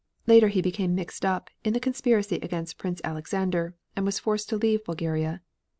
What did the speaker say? Later he became mixed up in the conspiracy against Prince Alexander, and was forced to leave Bulgaria.